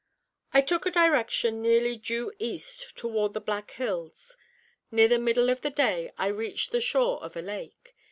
I took a direction nearly due east toward the Black Hills. Near the middle of the day I reached the shore of a lake.